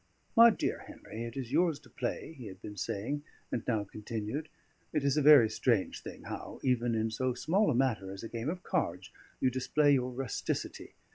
"My dear Henry, it is yours to play," he had been saying, and now continued: "It is a very strange thing how, even in so small a matter as a game of cards, you display your rusticity.